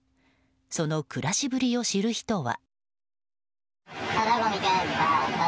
その暮らしぶりを知る人は。